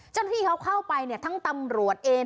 เจ้าหน้าที่เขาเข้าไปเนี่ยทั้งตำรวจเอง